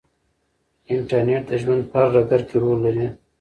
انټرنیټ د ژوند په هر ډګر کې رول لري.